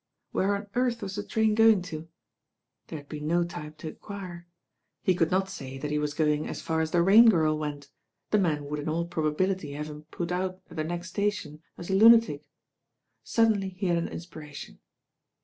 Where on earth was the train going to? There had been no time to enquire. He could not say that he was going as far as the Rain Girl went, the man would m all probability have him put out at the next sta tion as a lunatic. Suddenly he had an inspiration.